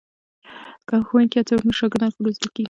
که ښوونکي هڅه وکړي نو شاګردان ښه روزل کېږي.